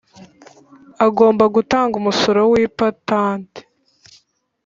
agomba gutanga umusoro w’ipatanti